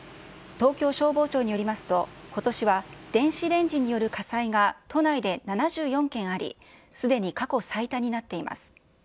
東京消防庁によりますと、ことしは電子レンジによる火災が都内で７４件あり、すでに過去最多になっています。